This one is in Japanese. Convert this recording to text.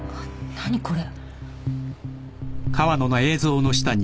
何これ？